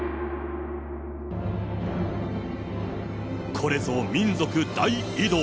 これぞ民族大移動。